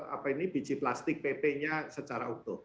apa ini biji plastik pp nya secara utuh